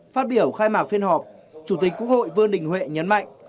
phát biểu khai mạc phiên họp chủ tịch quốc hội vương đình huệ nhấn mạnh